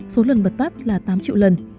số lần bật tắt là tám triệu lần